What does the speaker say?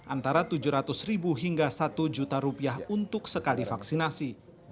antara tujuh ratus ribu hingga satu juta rupiah untuk sekali vaksinasi